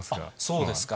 そうですか。